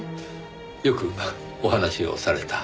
よくお話をされた？